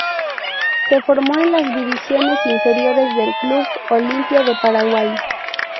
Se formó en las divisiones inferiores del Club Olimpia de Paraguay.